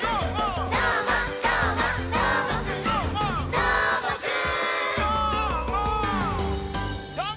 「どーもくん！」